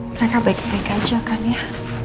mereka baik baik aja kan ya